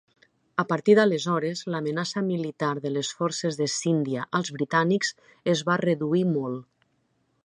A partir d'aleshores, l'amenaça militar de les forces de Scindia als britànics es va reduir molt.